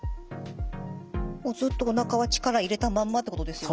ずっとおなかは力を入れたまんまってことですよね。